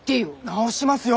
直しますよ！